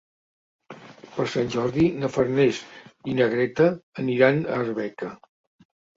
Per Sant Jordi na Farners i na Greta aniran a Arbeca.